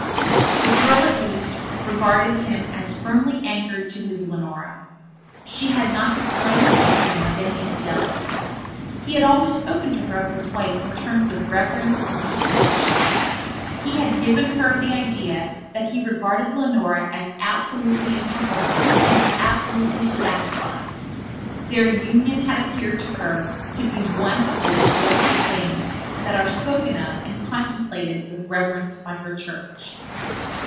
The girl, at least, regarded him as firmly anchored to his Leonora. She had not the slightest inkling of any infidelities. He had always spoken to her of his wife in terms of reverence and deep affection. He had given her the idea that he regarded Leonora as absolutely impeccable and as absolutely satisfying. Their union had appeared to her to be one of those blessed things that are spoken of and contemplated with reverence by her church.